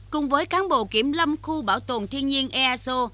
cùng với cán bộ kiểm lâm khu bảo tồn thiên nhiên easo